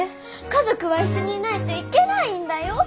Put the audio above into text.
家族は一緒にいないといけないんだよ。